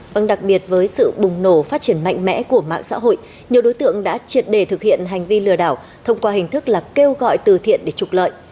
vâng đặc biệt với sự bùng nổ phát triển mạnh mẽ của mạng xã hội nhiều đối tượng đã triệt đề thực hiện hành vi lừa đảo thông qua hình thức là kêu gọi từ thiện để trục lợi